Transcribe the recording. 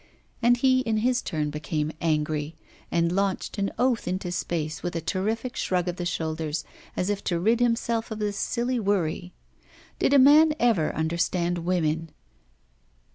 And he in his turn became angry, and launched an oath into space, with a terrific shrug of the shoulders, as if to rid himself of this silly worry. Did a man ever understand women?